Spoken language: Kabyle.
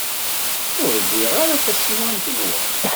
Ur wwiɣ ara tasiwant-nwen.